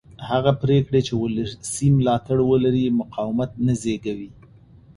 هغه پرېکړې چې ولسي ملاتړ ولري مقاومت نه زېږوي